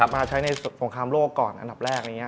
มาใช้ในสงครามโลกก่อนอันดับแรก